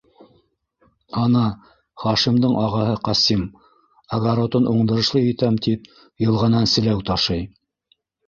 Ана, Хашимдың ағаһы Ҡасим, огоротын уңдырышлы итәм тип йылғанан селәү ташый.